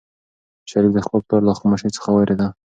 شریف د خپل پلار له خاموشۍ څخه وېرېده.